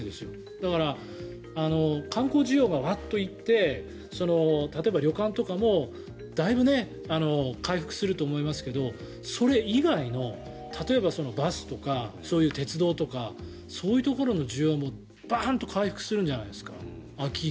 だから、観光需要がワーッといって例えば旅館とかもだいぶ回復すると思いますけどそれ以外の例えばバスとか、そういう鉄道とかそういうところの需要は秋以降、バンと回復するんじゃないですか。